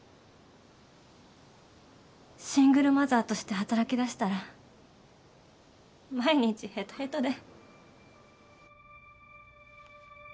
シングルマザーとして働きだしたら毎日ヘトヘトで。